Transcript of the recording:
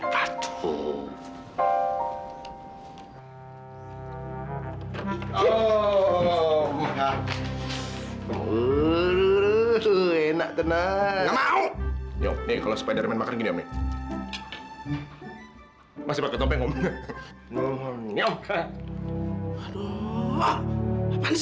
pulangnya jangan kemaleman ya mas